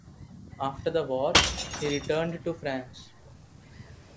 After the war, he returned to France.